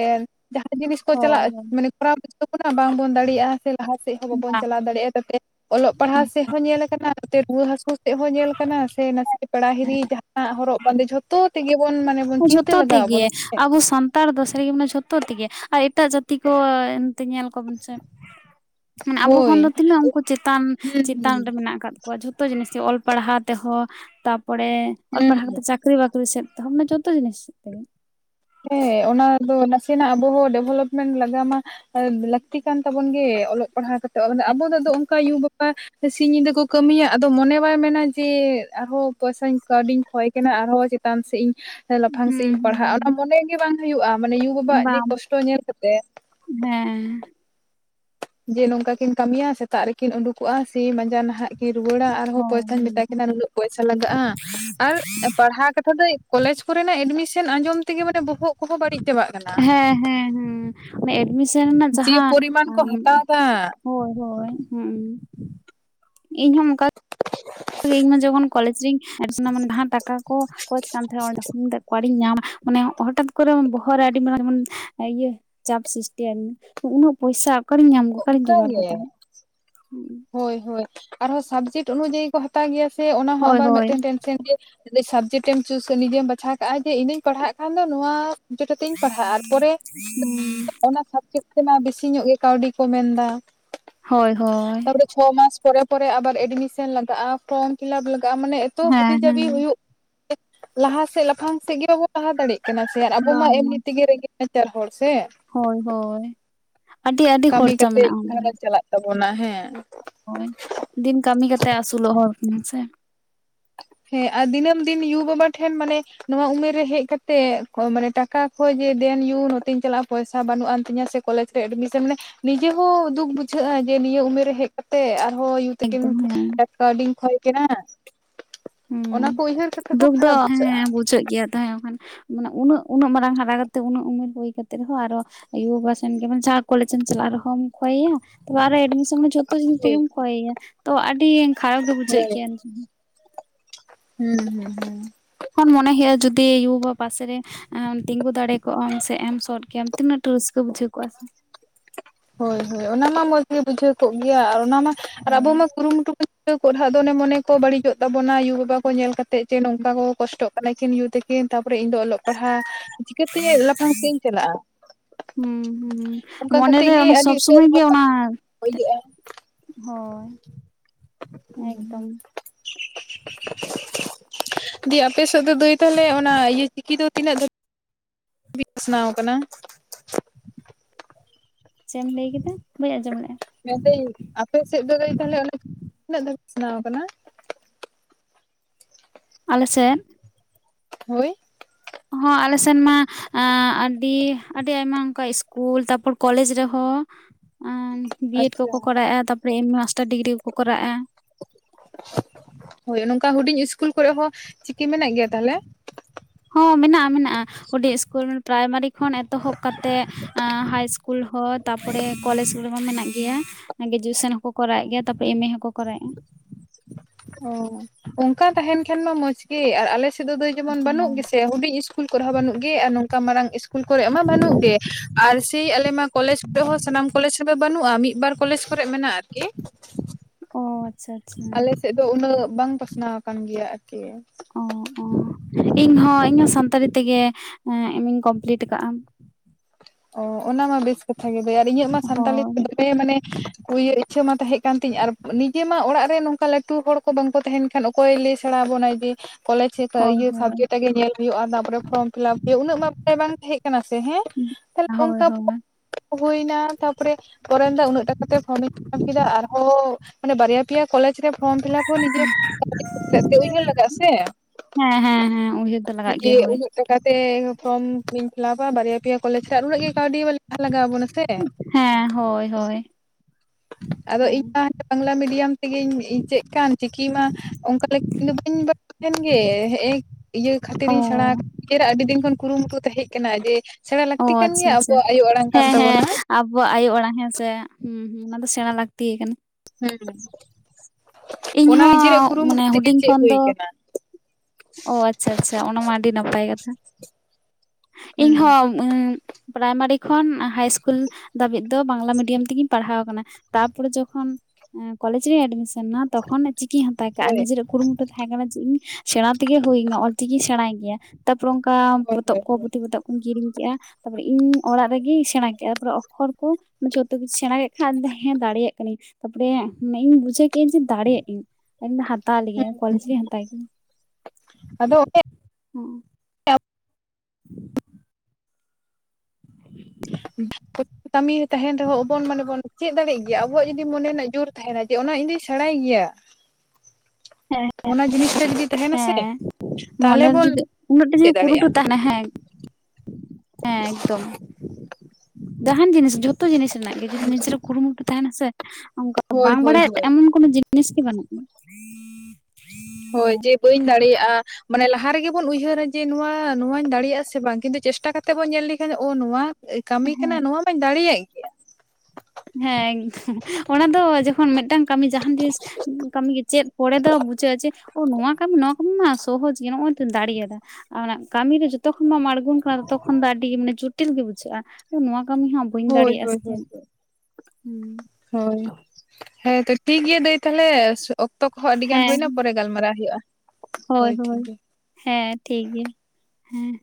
ᱡᱟᱦᱟᱸ ᱡᱤᱱᱤᱥ ᱠᱚ ᱦᱳᱭ ᱪᱟᱞᱟᱜ ᱦᱳᱭ ᱢᱟᱱᱮ ᱡᱚᱛᱚ ᱠᱷᱚᱱᱟᱜ ᱵᱟᱝᱵᱚᱱ ᱫᱟᱲᱮᱭᱟᱜ-ᱟ ᱥᱮ ᱞᱟᱦᱟ ᱥᱮᱫ ᱦᱚᱸ ᱵᱟᱵᱚᱱ ᱵᱟᱝ ᱪᱟᱞᱟᱣ ᱫᱟᱲᱮᱭᱟᱜ-ᱟ ᱡᱟᱛᱮ ᱚᱞᱚᱜ ᱯᱟᱲᱦᱟᱣ ᱥᱮᱫ ᱦᱚᱸ ᱧᱮᱞ ᱟᱠᱟᱱᱟ ᱨᱩᱣᱟᱹ ᱦᱟᱹᱥᱩ ᱦᱚᱸ ᱧᱮᱞ ᱠᱟᱱᱟ ᱥᱮ ᱱᱟᱥᱮ ᱯᱮᱲᱟ ᱦᱤᱨᱤ ᱡᱟᱦᱟᱱᱟᱜ ᱦᱚᱨᱚᱜ ᱵᱟᱸᱫᱮ ᱡᱷᱚᱛᱚ ᱛᱮᱜᱮ ᱵᱚᱱ ᱢᱟᱱᱮ ᱵᱚᱱ ᱪᱤᱱᱛᱟᱹ ᱡᱷᱚᱛᱚ ᱞᱟᱜᱟᱣ ᱛᱮᱜᱮ ᱵᱚᱱᱟ ᱟᱵᱚ ᱥᱟᱱ ᱥᱟᱱᱛᱟᱨ ᱫᱚ ᱥᱟᱹᱨᱤᱜᱮ ᱡᱷᱚᱛᱚ ᱛᱮᱜᱮ ᱟᱨ ᱮᱴᱟᱜ ᱡᱟᱹᱛᱤ ᱠᱚ ᱮᱱᱛᱮ ᱧᱮᱞ ᱠᱚᱢ ᱪᱮ ᱢᱟᱱᱮ ᱟᱵᱚ ᱦᱳᱭ ᱠᱷᱚᱱ ᱫᱚ ᱛᱤᱱᱟᱹᱜ ᱩᱱᱠᱩ ᱪᱮᱛᱟᱱ ᱦᱩᱸ ᱪᱮᱛᱟᱱ ᱦᱩᱸ ᱨᱮ ᱢᱮᱱᱟᱜ ᱟᱠᱟᱫ ᱡᱷᱚᱛᱚ ᱡᱤᱱᱤᱥ ᱚᱞ ᱯᱟᱲᱦᱟᱣ ᱛᱮᱦᱚᱸ ᱛᱟᱨᱯᱚᱨᱮ ᱚᱞ ᱦᱩᱸ ᱯᱟᱲᱦᱟᱣ ᱠᱟᱛᱮ ᱪᱟᱠ ᱪᱟᱹᱠᱨᱤ ᱵᱟᱹᱠᱨᱤ ᱥᱮᱫ ᱛᱮᱦᱚᱸ ᱡᱚᱛᱚ ᱡᱤᱱᱤᱥ ᱥᱮᱫ ᱛᱮᱜᱮ ᱦᱮᱸ ᱚᱱᱟ ᱫᱚ ᱱᱟᱥᱮᱱᱟᱜ ᱟᱵᱚ ᱦᱚᱸ ᱰᱮᱵᱷᱞᱚᱯᱢᱮᱱᱴ ᱞᱟᱜᱟᱣ ᱢᱟ ᱞᱟᱹᱠᱛᱤ ᱠᱟᱱ ᱛᱟᱵᱚᱱ ᱜᱮ ᱚᱞᱚᱜ ᱯᱟᱲᱦᱟᱣ ᱠᱟᱛᱮᱜ ᱟᱵᱚ ᱫᱚ ᱚᱝᱠᱟ ᱭᱩ ᱵᱟᱵᱟ ᱥᱤᱧ ᱧᱤᱫᱟᱹ ᱠᱚ ᱠᱟᱹᱢᱤᱭᱟ ᱟᱫᱚ ᱢᱚᱱᱮ ᱵᱟᱭ ᱢᱮᱱᱟ ᱡᱮ ᱟᱨᱦᱚᱸ ᱯᱚᱭᱥᱟᱧ ᱠᱟᱹᱣᱰᱤᱧ ᱠᱷᱚᱭ ᱠᱟᱱᱟ ᱟᱨᱦᱚᱸ ᱪᱮᱛᱟᱱ ᱥᱮᱫ ᱤᱧ ᱞᱟᱯᱷᱟᱝ ᱥᱮᱫ ᱤᱧ ᱯᱟᱲᱦᱟᱜᱼᱟ ᱚᱱᱟ ᱦᱩᱸ ᱢᱚᱱᱮ ᱜᱮ ᱵᱟᱝ ᱦᱳᱭᱳᱜ ᱢᱟᱱᱮ ᱭᱩ ᱵᱟᱵᱟ ᱦᱩᱸ ᱡᱮ ᱵᱟᱝ ᱠᱚᱥᱴᱚ ᱧᱮᱞ ᱠᱟᱛᱮ ᱦᱮᱸ ᱡᱮ ᱱᱚᱝᱠᱟ ᱠᱤᱱ ᱠᱟᱹᱢᱤᱭᱟ ᱥᱮᱛᱟᱜ ᱨᱮᱠᱤᱱ ᱩᱰᱩᱠᱚᱜᱼᱟ ᱥᱤ ᱢᱟᱸᱡᱟᱱ ᱱᱟᱦᱟᱜ ᱠᱤ ᱨᱩᱣᱟᱹᱲᱟ ᱟᱨᱦᱚᱸ ᱯᱚᱭᱥᱟᱧ ᱢᱮᱛᱟᱭ ᱦᱳᱭ ᱠᱤᱱᱟ ᱱᱩᱱᱟᱹᱜ ᱯᱚᱭᱥᱟ ᱞᱟᱜᱟᱜᱼᱟ ᱟᱨ ᱯᱟᱲᱦᱟᱣ ᱠᱟᱛᱷᱟ ᱫᱚ ᱠᱚᱞᱮᱡᱽ ᱠᱚᱨᱮᱱᱟᱜ ᱮᱰᱢᱤᱥᱚᱱ ᱟᱸᱡᱚᱢ ᱛᱮᱜᱮ ᱢᱟᱱᱮ ᱵᱚᱦᱚᱜ ᱠᱚᱦᱚᱸ ᱵᱟᱹᱲᱤᱡ ᱪᱟᱵᱟᱜ ᱠᱟᱱᱟ ᱦᱮᱸ ᱦᱮᱸ ᱦᱮᱸ ᱢᱟᱱᱮ ᱮᱰᱢᱤᱥᱚᱱ ᱨᱮᱱᱟᱜ ᱡᱮ ᱡᱟᱦᱟᱸ ᱯᱚᱨᱤᱢᱟᱱ ᱠᱚ ᱦᱟᱛᱟᱣ ᱫᱟ ᱦᱳᱭ ᱦᱳᱭ ᱦᱮ ᱤᱧ ᱦᱚᱸ ᱚᱝᱠᱟ ᱤᱧ ᱡᱚᱠᱷᱚᱱ ᱠᱚᱞᱮᱡ ᱨᱤᱧ [unintelligible] ᱴᱟᱠᱟ ᱠᱚ ᱠᱷᱚᱡ ᱠᱟᱱ ᱛᱟᱦᱮᱸᱱᱟ ᱛᱚᱷᱚᱱ ᱫᱚ ᱚᱠᱟᱨᱮ ᱧᱟᱢᱟ ᱢᱟᱱᱮ ᱦᱚᱴᱟᱛ ᱠᱚᱨᱮ ᱵᱚᱦᱚᱜ ᱨᱮ ᱟᱹᱰᱤ ᱢᱟᱨᱟᱝ ᱡᱮᱢᱚᱱ ᱤᱭᱟᱹ ᱪᱟᱯ ᱥᱤᱥᱴᱤᱢ ᱩᱱᱟᱹᱜ ᱯᱚᱭᱥᱟ ᱚᱠᱟᱨᱤᱧ ᱧᱟᱢ ᱚᱠᱟᱨᱤᱧ ᱚᱱᱠᱟ ᱡᱚᱜᱟᱭ ᱜᱮ ᱜᱟᱫᱟ ᱦᱳᱭ ᱦᱳᱭ ᱟᱨᱦᱚᱸ ᱥᱟᱵᱡᱮᱠᱴ ᱚᱱᱩᱡᱟᱭᱤ ᱠᱚ ᱦᱟᱛᱟᱣ ᱜᱮᱭᱟ ᱥᱮ ᱚᱱᱟ ᱦᱚᱸ ᱦᱳᱭ ᱟᱵᱟᱨ ᱦᱳᱭ ᱢᱤᱫᱴᱮᱱ ᱴᱮᱱ ᱥᱮ ᱥᱟᱵᱡᱮᱠᱴᱮ ᱮᱢ ᱪᱩᱡ ᱥᱮ ᱱᱤᱡᱮᱢ ᱵᱟᱪᱷᱟᱣ ᱠᱟᱜᱼᱟ ᱡᱮ ᱤᱧ ᱫᱚᱧ ᱯᱟᱲᱦᱟᱜ ᱠᱷᱟᱱ ᱫᱚ ᱱᱚᱣᱟ ᱪᱮᱠᱟ ᱛᱤᱧ ᱯᱟᱲᱦᱟᱜᱼᱟ ᱛᱟᱨᱯᱚᱨᱮ ᱚᱱᱟ ᱠᱷᱟᱹᱛᱤᱨ ᱛᱮᱢᱟ ᱵᱮᱥᱤ ᱧᱚᱜ ᱜᱮ ᱠᱟᱹᱣᱰᱤ ᱠᱚ ᱢᱮᱱᱫᱟ ᱦᱳᱭ ᱦᱳᱭ ᱛᱟᱯᱚᱨᱮ ᱪᱷᱚ ᱢᱟᱥ ᱯᱚᱨᱮ ᱯᱚᱨᱮ ᱟᱵᱟᱨ ᱮᱰᱢᱤᱥᱚᱱ ᱞᱟᱜᱟᱜᱼᱟ ᱯᱷᱚᱨᱚᱢ ᱯᱷᱤᱞᱟᱯ ᱞᱟᱜᱟᱜᱼᱟ ᱢᱟᱱᱮ ᱡᱚ ᱦᱟᱹᱵᱤ ᱦᱮᱸ ᱦᱮᱸ ᱡᱟᱹᱵᱤ ᱦᱩᱭᱩᱜ ᱞᱟᱦᱟ ᱥᱮᱫ ᱞᱟᱯᱷᱟᱝ ᱥᱮᱫ ᱜᱮ ᱵᱟᱵᱚ ᱞᱟᱦᱟ ᱫᱟᱲᱮ ᱠᱟᱱᱟ ᱥᱮ ᱟᱨ ᱟᱵᱚ ᱢᱟ ᱵᱟᱝᱢᱟ ᱮᱢᱱᱤ ᱛᱮᱜᱮ ᱨᱮᱜᱮᱡ ᱱᱟᱪᱟᱨ ᱦᱚᱲ ᱥᱮ ᱦᱳᱭ ᱦᱳᱭ ᱟᱹᱰᱤ ᱟᱹᱰᱤ ᱠᱟᱹᱢᱤ ᱠᱷᱚᱨᱪᱟ ᱠᱟᱛᱮᱜ ᱢᱮᱱᱟᱜᱼᱟ ᱾ ᱜᱷᱟᱨᱚᱸᱡᱽ ᱪᱟᱞᱟᱜ ᱛᱟᱵᱚᱱᱟ ᱦᱮᱸ ᱦᱳᱭ ᱫᱤᱱ ᱠᱟᱹᱢᱤ ᱠᱟᱛᱮ ᱟᱹᱥᱩᱞᱚᱜ ᱦᱚᱲ ᱠᱟᱱᱟ ᱥᱮ ᱦᱮᱸ ᱟᱨ ᱫᱤᱱᱟᱹᱢ ᱫᱤᱱ ᱭᱩ ᱵᱟᱵᱟ ᱴᱷᱮᱱ ᱢᱟᱱᱮ ᱱᱚᱣᱟ ᱩᱢᱮᱨ ᱨᱮ ᱦᱮᱡ ᱠᱟᱛᱮᱜ ᱢᱟᱱᱮ ᱴᱟᱠᱟ ᱠᱷᱚᱭ ᱡᱮ ᱫᱮᱱ ᱧᱩ ᱱᱚᱛᱮᱧ ᱪᱟᱞᱟᱜᱼᱟ ᱯᱚᱭᱥᱟ ᱵᱟᱹᱱᱩᱜ ᱟᱱ ᱛᱤᱧᱟ ᱥᱮ ᱠᱚᱞᱮᱡᱽ ᱨᱮ ᱮᱰᱢᱤᱥᱮᱱ ᱢᱟᱱᱮ ᱱᱤᱡᱮ ᱦᱚᱸ ᱫᱩᱠ ᱵᱩᱡᱷᱟᱹᱜᱼᱟ ᱡᱮ ᱱᱤᱭᱟᱹ ᱩᱢᱮᱨ ᱨᱮ ᱦᱮᱡ ᱠᱟᱛᱮ ᱟᱨᱦᱚᱸᱛ ᱭᱩ ᱛᱤᱠᱤᱱ ᱮᱠᱫᱚᱢ ᱦᱮᱸ ᱠᱟᱹᱣᱰᱤᱧ ᱠᱷᱚᱭ ᱠᱤᱱᱟ ᱚᱱᱟ ᱦᱩᱸ ᱠᱚ ᱩᱭᱦᱟᱹᱨ ᱠᱟᱛᱮ ᱦᱚᱸ ᱫᱩᱠ ᱫᱚ ᱠᱷᱟᱨᱟᱯ ᱵᱩᱡᱷᱟᱹᱜᱼᱟ᱾ ᱦᱮᱸ ᱵᱩᱡᱷᱟᱹᱜ ᱜᱤᱭᱟ ᱦᱮᱸ ᱛᱟᱦᱮᱭᱠᱷᱟᱱ ᱢᱟᱱᱮ ᱩᱱᱟᱹᱜ ᱩᱱᱟᱹᱜ ᱢᱟᱨᱟᱝ ᱦᱟᱨᱟ ᱠᱟᱛᱮ ᱩᱱᱟᱹᱜ ᱩᱢᱮᱨ ᱦᱩᱭ ᱠᱟᱛᱮ ᱨᱮᱦᱚᱸ ᱟᱨᱦᱚ ᱭᱩ ᱵᱟᱵᱟ ᱥᱮᱱᱜᱟᱱ ᱡᱟᱦᱟᱸ ᱠᱚᱞᱮᱡᱽ ᱮᱢ ᱪᱟᱞᱟᱜ ᱟᱨ ᱨᱮᱦᱚᱸᱢ ᱠᱚᱭᱮ-ᱭᱟ᱾ [inaudible] ᱡᱷᱚᱛᱚ ᱦᱳᱭ ᱡᱤᱱᱛᱤᱜᱤᱢ ᱠᱷᱚᱭ ᱭᱟ ᱛᱚ ᱟᱹᱰᱤ ᱠᱷᱟᱨᱟᱯ ᱜᱮ ᱵᱩᱡᱷᱟᱹᱜ ᱦᱳᱭ ᱜᱮᱭᱟ᱾ [inaudible] ᱦᱩᱸ ᱠᱷᱚᱱ ᱢᱚᱱᱮ ᱦᱩᱭᱩᱜᱟ ᱡᱚᱫᱤ ᱭᱩ ᱵᱟᱵᱟ ᱯᱟᱥᱮ ᱨᱮ ᱟᱢ ᱛᱤᱸᱜᱩ ᱫᱟᱲᱮ ᱠᱚᱜᱼᱟᱢ ᱥᱮ ᱮᱢ ᱥᱚᱫ ᱠᱮᱭᱟᱢ ᱛᱤᱱᱟᱹᱜ ᱴᱟ ᱨᱟᱹᱥᱠᱟᱹ ᱵᱩᱡᱷᱟᱹᱣ ᱠᱚᱜᱟ ᱥᱮ ᱦᱳᱭ ᱦᱳ ᱚᱱᱟ ᱢᱟ ᱢᱚᱡ ᱜᱮ ᱵᱩᱡᱷᱟᱹᱣ ᱠᱚᱜ ᱜᱤᱭᱟ ᱟᱨ ᱚᱱᱟ ᱢᱟ ᱟᱨ ᱟᱵᱚ ᱢᱟ ᱦᱩᱸ ᱠᱩᱨᱩᱢᱩᱴᱩ ᱠᱚᱲᱦᱟᱜ ᱫᱚ ᱚᱱᱮ ᱢᱚᱱᱮ ᱠᱚ ᱵᱟᱹᱲᱤᱡᱚᱜ ᱛᱟᱵᱚᱱᱟ ᱭᱩ ᱵᱟᱵᱟ ᱠᱚ ᱧᱮᱞ ᱠᱟᱛᱮᱜ ᱡᱮ ᱱᱚᱝᱠᱟ ᱠᱚ ᱠᱚᱥᱴᱚᱜ ᱠᱟᱱᱟᱠᱤᱱ ᱭᱩ ᱛᱟᱹᱠᱤᱱ ᱛᱟᱨᱯᱮ ᱤᱧ ᱫᱚ ᱚᱞᱚᱜ ᱯᱟᱲᱦᱟᱜ ᱪᱤᱠᱟᱹᱛᱮ ᱞᱟᱯᱷᱟᱝ ᱥᱮᱫ ᱤᱧ ᱪᱟᱞᱟᱜᱼᱟ ᱦᱩᱸ ᱦᱩᱸ ᱚᱱᱠᱟ ᱢᱚᱱᱮ ᱠᱟᱛᱮᱜ ᱮᱨᱮ ᱜᱮ ᱚᱱᱟ ᱟᱹᱰᱤ ᱥᱚᱵ ᱩᱛᱟᱹᱨ ᱥᱚᱢᱚᱭ ᱜᱮ ᱚᱱᱟ ᱦᱚᱲ ᱛᱮ ᱤᱭᱟᱹᱜᱼᱟ ᱦᱚᱭ ᱦᱩᱸ [inaudible] ᱫᱤᱭ ᱟᱯᱮ ᱥᱮᱫ ᱫᱚ ᱫᱟᱹᱭ ᱛᱟᱦᱚᱞᱮ ᱚᱱᱟ ᱪᱤᱠᱤ ᱫᱚ ᱛᱤᱱᱟᱹᱜ ᱫᱷᱟᱵᱤᱪ ᱵᱤᱫ ᱯᱟᱥᱱᱟᱣ ᱠᱟᱱᱟ ᱪᱮᱫ ᱮᱢ ᱞᱟᱹᱭ ᱠᱤᱫᱟ ᱵᱟᱹᱧ ᱟᱸᱡᱚᱢ ᱞᱮᱼᱟ ᱢᱮᱱᱫᱟᱹᱧ ᱟᱯᱮ ᱥᱮᱫ ᱫᱚ ᱫᱟᱹᱭ ᱛᱟᱦᱚᱞᱮ ᱚᱱ ᱛᱤᱱᱟᱹᱜ ᱫᱷᱟᱵᱤᱡ ᱯᱟᱥᱱᱟᱭ ᱠᱟᱱᱟ ᱟᱞᱮ ᱥᱮᱫ ᱦᱩᱭ ᱦᱚᱸ ᱟᱞᱮ ᱥᱮᱱ ᱢᱟ ᱮᱸ ᱟᱹᱰᱤ ᱟᱹᱰᱤ ᱟᱭᱢᱟ ᱚᱝᱠᱟ ᱤᱥᱠᱩᱞ ᱛᱟᱨᱯᱚᱨ ᱠᱚᱞᱮᱡ ᱨᱮᱦᱚᱸ ᱮᱸ ᱵᱤᱭᱮᱰ ᱟᱪᱪᱷᱟ ᱠᱚᱠᱚ ᱠᱚᱨᱟᱣᱮᱜᱼᱟ ᱛᱟᱯᱚᱨᱮ ᱮᱢ ᱢᱮ ᱢᱟᱥᱴᱟᱨ ᱰᱤᱜᱽᱨᱤ ᱠᱚᱠᱚ ᱠᱚᱨᱟᱣᱜᱼᱟ ᱦᱳᱭ ᱚᱱᱮ ᱰᱚᱝᱠᱟ ᱦᱩᱰᱤᱧ ᱤᱥᱠᱩᱞ ᱠᱚᱨᱮ ᱦᱚᱸ ᱪᱤᱠᱤ ᱢᱮᱱᱟᱜ ᱜᱮᱭᱟ ᱛᱟᱦᱞᱮ ᱦᱚᱸ ᱢᱮᱱᱟᱜᱼᱟ ᱢᱮᱱᱟᱜᱼᱟ ᱦᱩᱰᱤᱧ ᱤᱥᱠᱩᱞ ᱯᱨᱟᱭᱢᱟᱨᱤ ᱠᱷᱚᱱ ᱮᱛᱚᱦᱚᱵ ᱠᱟᱛᱮ ᱦᱟᱭ ᱤᱥᱠᱩᱞ ᱤᱥᱠᱩᱞ ᱦᱚᱸ ᱛᱟᱯᱚᱨᱮ ᱠᱚᱞᱮᱡᱽ ᱠᱚᱨᱮ ᱦᱚᱸ ᱢᱮᱱᱟᱜ ᱜᱮᱭᱟ ᱜᱨᱮᱡᱩᱭᱮᱥᱚᱱ ᱦᱚᱸᱠᱚ ᱠᱚᱨᱟᱣᱮᱫ ᱜᱮᱭᱟ ᱛᱟᱨᱯᱚᱨ ᱮᱢ ᱮ ᱦᱚᱠᱚ ᱠᱚᱨᱟᱣᱮᱜᱼᱟ ᱚᱸ ᱚᱱᱠᱟ ᱛᱟᱹᱦᱮᱱ ᱠᱷᱟᱱ ᱢᱟ ᱢᱚᱸᱡᱽ ᱜᱮ ᱟᱨ ᱟᱞᱮᱥᱮᱫ ᱫᱚ ᱡᱮᱢᱚᱱ ᱵᱟᱹᱱᱩᱜ ᱜᱮᱥᱮ ᱦᱩᱰᱤᱧ [inaudible] ᱠᱩᱞ ᱠᱚᱨᱮ ᱦᱚᱸ ᱵᱟᱹᱱᱩᱜ ᱜᱮ ᱟᱨ ᱱᱚᱝᱠᱟ ᱢᱟᱨᱟᱝ ᱤᱥᱠᱩᱞ ᱠᱚᱨᱮ ᱢᱟ ᱵᱟᱹᱱᱩᱜ ᱜᱮ ᱟᱨᱥᱤ ᱟᱞᱮᱢᱟ ᱠᱚᱞᱮᱡ ᱠᱚᱨᱮ ᱦᱚᱸ ᱥᱟᱱᱟᱢ ᱠᱚᱞᱮᱡ ᱨᱮᱫᱚ ᱵᱟᱹᱱᱩᱜᱼᱟ ᱢᱤᱫ ᱵᱟᱨ ᱠᱚᱞᱮᱡ ᱠᱚᱨᱮ ᱢᱮᱱᱟᱜᱼᱟ ᱟᱨᱠᱤ ᱚ ᱟᱪᱪᱷᱟ ᱟᱪᱪᱷᱟ ᱟᱞᱮ ᱥᱮᱫ ᱫᱚ ᱩᱱᱟᱹᱜ ᱵᱟᱝ ᱯᱟᱥᱱᱟᱣ ᱟᱠᱟᱱ ᱜᱮᱭᱟ ᱟᱨᱠᱤ ᱚ ᱚ ᱤᱧ ᱦᱚᱸ ᱤᱧ ᱦᱚᱸᱚᱸ ᱥᱟᱱᱛᱟᱲᱤ ᱛᱮᱜᱮ ᱮ ᱢᱮ ᱠᱚᱢᱯᱞᱤᱤᱴ ᱟᱠᱟᱫᱼᱟ ᱚ ᱚᱱᱟ ᱢᱟ ᱵᱮᱥ ᱠᱟᱛᱷᱟ ᱜᱮ ᱤᱧᱟᱹᱜ ᱢᱟ ᱦᱳᱭ ᱥᱟᱱᱛᱟᱞᱤᱮ ᱢᱟᱱᱮ ᱤᱭᱟᱹ ᱤᱪᱪᱷᱟᱹ ᱢᱟ ᱛᱟᱦᱮᱸᱠᱟᱱ ᱛᱤᱧ ᱟᱨ ᱱᱤᱡᱮ ᱢᱟ ᱚᱲᱟᱜ ᱨᱮ ᱱᱚᱝᱠᱟ ᱞᱟᱹᱴᱩ ᱦᱚᱲ ᱠᱚ ᱵᱟᱝᱠᱚ ᱛᱟᱦᱮᱱ ᱠᱷᱟᱱ ᱚᱠᱚᱭ ᱞᱮᱭ ᱥᱮᱬᱟ ᱟᱵᱚᱱᱟ ᱡᱮ ᱠᱚᱞᱮᱡ ᱪᱮᱫ ᱞᱮᱠᱟ ᱦᱳᱭ ᱤᱭᱟ ᱥᱟᱵᱡᱮᱴ ᱦᱳᱭ ᱟᱜᱮ ᱧᱮᱞ ᱦᱩᱭᱩᱜᱟ ᱛᱟᱨ ᱯᱚᱨᱮ ᱯᱷᱚᱨᱚᱢ ᱯᱷᱤᱞᱟᱯ ᱦᱩᱭᱩᱜᱟ ᱩᱱᱟᱹᱜ ᱢᱟ ᱵᱟᱝ ᱛᱟᱦᱮᱸ ᱠᱟᱱᱟ ᱥᱮ ᱦᱮᱸ ᱛᱟᱦᱞᱮ ᱦᱳᱭ ᱚᱱᱠᱟ ᱦᱳᱭ [unintelligible] ᱦᱩᱭᱱᱟ ᱯᱚᱨᱟᱱ ᱫᱟ ᱩᱱᱟᱹᱜ ᱴᱟᱠᱟ ᱠᱟᱛᱮ ᱯᱷᱚᱨᱚᱢ ᱮᱭ ᱯᱷᱤᱞᱤᱢ ᱠᱤᱫᱟ ᱟᱨᱦᱚ ᱢᱟᱱᱮ ᱵᱟᱨᱭᱟ ᱯᱤᱭᱥ ᱠᱚᱞᱮᱡ ᱨᱮ ᱯᱷᱚᱨᱚᱢ ᱯᱷᱤᱞᱟᱯ ᱦᱚᱸ ᱱᱤᱡᱮ [unintelligible] ᱛᱮ ᱩᱭᱦᱟᱹᱨ ᱞᱟᱜᱟᱜᱼᱟ ᱥᱮ ᱦᱮᱸ ᱦᱮᱸ ᱦᱮᱸ ᱩᱭᱦᱟᱹᱨ ᱫᱚ ᱞᱟᱜᱟᱜ ᱜᱮᱭᱟ ᱦᱳᱭ ᱪᱤᱠᱟᱛᱮ ᱯᱷᱚᱨᱚᱢ ᱯᱷᱤᱞᱟᱯᱼᱟ ᱵᱟᱨᱭᱟ ᱯᱮᱭᱟ ᱠᱚᱞᱮᱡ ᱨᱮ ᱩᱱᱟᱹᱜ ᱜᱮ ᱠᱟᱹᱣᱰᱤ ᱞᱟᱜᱟᱣ ᱟ ᱵᱚᱱᱟ ᱥᱮ ᱦᱮᱸ ᱦᱳᱭ ᱦᱳᱭ ᱟᱫᱚ ᱤᱧ ᱦᱮᱸ ᱢᱟ ᱵᱟᱝᱞᱟ ᱢᱤᱰᱤᱭᱟᱢ ᱛᱮᱜᱮᱧ ᱪᱮᱫ ᱠᱟᱱ ᱪᱤᱠᱤ ᱢᱟ ᱚᱝᱠᱟ [inaudible] ᱤᱭᱟᱹ ᱠᱷᱟᱹᱛᱤᱨ ᱚ ᱤᱧ ᱥᱮᱬᱟ ᱟᱠᱟᱫᱟ ᱟᱹᱰᱤ ᱫᱤᱱ ᱠᱷᱚᱱ ᱠᱩᱨᱩᱢᱩᱴᱩ ᱛᱟᱦᱮᱸ ᱠᱟᱱᱟ ᱡᱮ ᱥᱮᱬᱟ ᱚ ᱞᱟᱹᱠᱛᱤ ᱠᱟᱱ ᱟᱪᱪᱷᱟ ᱜᱮᱭᱟ ᱟᱪᱪᱷᱟ ᱟᱵᱚᱣᱟᱜ ᱟᱭᱳ ᱟᱲᱟᱝ ᱠᱟᱱ ᱦᱮᱸ ᱦᱮᱸ ᱛᱟᱵᱚᱱᱟ ᱟᱵᱚᱣᱟᱜ ᱟᱭᱳ ᱟᱲᱟᱝ ᱦᱮᱸ ᱥᱮ ᱦᱩᱸ ᱦᱩᱸ ᱚᱱᱟ ᱫᱚ ᱥᱮᱬᱟ ᱞᱟᱹᱠᱛᱤ ᱠᱟᱱᱟ ᱦᱮᱸ [inaudible] ᱤᱧ ᱚᱱᱟ ᱦᱚ ᱱᱤᱡᱮᱨᱟᱜ ᱠᱩᱨᱩᱢᱩᱴᱩ ᱢᱟᱱᱮ ᱛᱮᱜᱮ ᱦᱩᱰᱤᱧ ᱪᱮᱫ ᱠᱷᱚᱱ ᱦᱩᱭ ᱫᱚ ᱠᱟᱱᱟ ᱚ ᱟᱪᱪᱷᱟ ᱟᱪᱪᱷᱟ ᱚᱱᱟᱢᱟ ᱟᱹᱰᱤ ᱱᱟᱯᱟᱭ ᱠᱟᱛᱷᱟ ᱦᱩᱸ ᱤᱧᱦᱚᱸ ᱩᱸ ᱯᱨᱟᱭᱢᱟᱨᱤ ᱠᱷᱚᱱ ᱦᱟᱭ ᱤᱥᱠᱩᱞ ᱫᱷᱟᱹᱵᱤᱡ ᱫᱚ ᱵᱟᱝᱞᱟ ᱢᱤᱰᱤᱭᱟᱢ ᱛᱮᱜᱮᱧ ᱯᱟᱲᱦᱟᱣ ᱟᱠᱟᱱᱟ ᱛᱟᱯᱚᱨᱮ ᱡᱚᱠᱷᱚᱱ ᱠᱚᱞᱮᱡ ᱨᱤᱧ ᱮᱰᱢᱤᱥᱚᱱ ᱮᱱᱟ ᱛᱚᱠᱷᱚᱱ ᱪᱤᱠᱤᱧ ᱦᱟᱛᱟᱣ ᱠᱟᱜᱼᱟ ᱦᱳᱭ ᱱᱤᱡᱮᱨ ᱠᱩᱨᱩᱢᱩᱴᱩ ᱛᱟᱦᱮᱸ ᱠᱟᱱᱟ ᱡᱮ ᱤᱧ ᱥᱮᱬᱟ ᱛᱮᱜᱮ ᱦᱩᱭ ᱤᱧᱟᱹ ᱚᱞᱪᱤᱠᱤᱧ ᱥᱮᱬᱟᱭ ᱜᱮᱭᱟ ᱛᱟᱯᱚᱨᱮ ᱚᱝᱠᱟ ᱦᱳᱭ ᱯᱚᱛᱚᱵ ᱦᱳᱭ ᱠᱚ ᱯᱩᱛᱷᱤ ᱯᱚᱛᱚᱵ ᱠᱩᱧ ᱠᱤᱨᱤᱧ ᱠᱮᱫᱼᱟ ᱛᱟᱨᱯᱚᱨᱮ ᱤᱧ ᱚᱲᱟᱜ ᱦᱳᱭ ᱨᱮᱜᱤᱧ ᱥᱮᱬᱟ ᱠᱮᱜᱟ ᱛᱟᱨᱯᱚᱨᱮ ᱚᱠᱷᱚᱲ ᱠᱩ ᱡᱚᱛᱚ ᱠᱤᱪᱷᱩ ᱥᱮᱬᱟ ᱠᱮᱫ ᱠᱷᱟᱡ ᱦᱮᱸ ᱫᱟᱲᱮᱭᱟᱜ ᱠᱟᱹᱧ ᱛᱟᱯᱚᱨ ᱢᱟᱱᱮ ᱤᱧ ᱵᱩᱡᱷᱟᱹᱣ ᱠᱮᱜ ᱤᱧ ᱡᱮ ᱫᱟᱲᱮᱭᱟᱜ ᱟᱹᱧ ᱟᱹᱞᱤᱧ ᱫᱚ ᱦᱟᱛᱟᱣ ᱞᱮᱜ ᱠᱚᱞᱮᱡᱽ ᱞᱤᱧ ᱦᱟᱛᱟᱣ ᱠᱮ ᱦᱩ ᱟᱫᱚ [inaudible] [unintelligible] ᱠᱟᱹᱢᱤ ᱛᱟᱦᱮᱱ ᱨᱮᱦᱚᱸ ᱟᱵᱚᱱ ᱢᱟᱱᱮ ᱵᱚᱱ ᱪᱮᱫ ᱫᱟᱲᱮᱭᱟᱜ ᱜᱮᱭᱟ ᱟᱵᱚᱣᱟᱜ ᱡᱩᱫᱤ ᱢᱚᱱᱮ ᱨᱮᱱᱟᱜ ᱡᱳᱨ ᱛᱟᱦᱮᱱᱟ ᱡᱮ ᱚᱱᱟ ᱤᱧᱫᱚᱧ ᱥᱮᱬᱟᱭ ᱜᱮᱭᱟ ᱦᱮᱸ ᱚᱱᱟ ᱡᱤᱱᱤᱥ ᱛᱟᱦᱮᱸ ᱦᱮᱸ ᱢᱚᱱᱮᱨ ᱡᱩᱫᱤ ᱩᱱᱟᱹᱜᱴᱟ ᱪᱮᱫ ᱠᱩᱨᱩᱴᱩ ᱫᱟᱲᱮᱭᱟᱜᱼᱟ ᱛᱟᱦᱮᱱᱟ ᱦᱮᱸ ᱦᱮᱸ ᱮᱠᱫᱚᱢ ᱡᱟᱦᱟᱱ ᱡᱤᱱᱤᱥ ᱡᱚᱛᱚ ᱡᱤᱱᱤᱥ ᱨᱮᱱᱟᱜ ᱜᱮ ᱡᱩᱫᱤ ᱱᱤᱡᱮᱨᱟᱜ ᱠᱩᱨᱩᱢᱩᱴᱩ ᱛᱟᱦᱮᱱᱟ ᱥᱮ ᱚᱱᱠᱟ ᱦᱳᱭ ᱵᱟᱝ ᱦᱳᱭ ᱵᱟᱲᱟᱭ ᱦᱳᱭ ᱮᱢᱚᱱ ᱠᱳᱱᱳ ᱡᱤᱱᱤᱥ ᱜᱮ ᱵᱟᱹᱱᱩᱜᱼᱟ ᱦᱳᱭ ᱡᱮ ᱵᱟᱹᱧ ᱫᱟᱲᱮᱭᱟᱜᱼᱟ ᱢᱟᱱᱮ ᱞᱟᱦᱟ ᱨᱮᱜᱮ ᱵᱚᱱ ᱩᱭᱦᱟᱹᱨᱟ ᱡᱮ ᱱᱚᱣᱟ ᱱᱚᱣᱟᱧ ᱫᱟᱲᱮᱭᱟᱜᱼᱟ ᱥᱮ ᱵᱟᱝ ᱠᱤᱱᱛᱩ ᱪᱮᱥᱴᱟ ᱠᱟᱛᱮᱜ ᱵᱚᱱ ᱧᱮᱞ ᱞᱮᱠᱷᱟᱱ ᱚ ᱱᱚᱣᱟ ᱠᱟᱹᱢᱤ ᱠᱟᱱᱟ ᱦᱮᱸ ᱱᱚᱣᱟ ᱢᱟᱧ ᱫᱟᱲᱮᱭᱟᱜ ᱜᱮᱭᱟ ᱦᱮᱸ ᱚᱱᱟ ᱫᱚ ᱡᱚᱠᱷᱚᱱ ᱢᱤᱫᱴᱟᱝ ᱠᱟᱹᱢᱤ ᱡᱟᱦᱟᱱ ᱡᱤᱱᱤᱥ ᱠᱟᱹᱢᱤ ᱜᱮ ᱪᱮᱫ ᱯᱚᱨᱮ ᱫᱚ ᱵᱩᱡᱷᱟᱹᱜᱼᱟ ᱡᱮ ᱛ ᱱᱚᱣᱟ ᱠᱟᱹᱢᱤ ᱱᱚᱣᱟ ᱠᱚᱢᱤ ᱢᱟ ᱥᱚᱦᱚᱡᱽ ᱜᱮ ᱱᱚᱜ ᱱᱚᱭ ᱛᱢ ᱫᱟᱲᱮᱭᱟᱫᱟ ᱠᱟᱹᱢᱤ ᱫᱚ ᱡᱚᱛᱚᱠᱷᱚᱱ ᱵᱟᱢ ᱟᱬᱜᱚᱱ ᱠᱟᱱᱟ ᱛᱚᱠᱷᱚᱱ ᱫᱚ ᱟᱹᱰᱤ ᱟᱱᱮ ᱡᱚᱴᱤᱞ ᱜᱮ ᱵᱩᱡᱷᱟᱹᱜᱼᱟ ᱱᱚᱣᱟ ᱠᱟᱹᱢᱤ ᱦᱚᱸ᱾ ᱵᱟᱹᱧ ᱦᱳᱭ ᱫᱟᱲᱮᱭᱟᱜᱼᱟ ᱥᱮ ᱪᱮᱫ ᱦᱩᱸ ᱦᱳ ᱦᱮᱸᱛᱚ ᱴᱷᱤᱠ ᱜᱮᱭᱟ ᱫᱟᱹᱭ ᱛᱟᱦᱞᱮ ᱚᱠᱛᱚ ᱠᱚᱦᱚᱸ ᱟᱹᱰᱤ ᱜᱟᱱ ᱦᱮᱸ ᱦᱩᱭᱳᱱᱟ ᱯᱚᱨᱮ ᱜᱟᱞᱢᱟᱨᱟᱣ ᱦᱩᱭᱩᱜᱼᱟ ᱦᱳᱭ ᱴᱷᱤᱠ ᱜᱮᱭᱟ ᱦᱮᱸ ᱴᱷᱤᱠ ᱜᱮᱭᱟ ᱦᱮᱸ